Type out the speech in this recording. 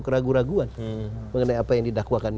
keraguan keraguan mengenai apa yang didakwakan